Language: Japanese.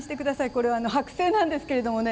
これは、剥製なんですけどね。